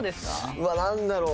うわっなんだろう？